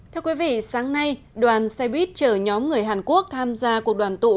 thưa quý vị sáng nay đoàn xe buýt chở nhóm người hàn quốc tham gia cuộc đoàn tụ